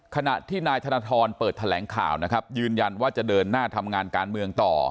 ขณะที่นายธนทรเปิดแถลงข่าวนะครับยืนยันว่าจะเดินหน้าทำงานการเมืองต่อ